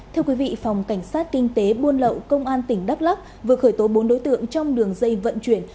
thưa quý vị phòng cảnh sát kinh tế buôn lậu công an tỉnh đắk lắc vừa khởi tố bốn đối tượng trong đường dây vận chuyển